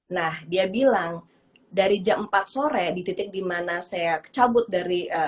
nah dia bilang dari jam empat sore di titik di mana saya cabut dari